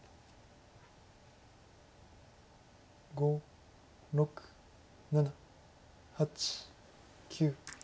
５６７８９。